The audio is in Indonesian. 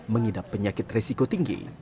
mengidap penyakit risiko tinggi